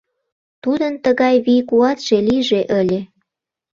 Тудын тыгай вий-куатше лийже ыле!